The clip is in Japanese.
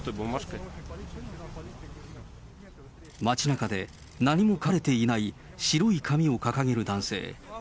街なかで何も書かれていない白い紙を掲げる男性。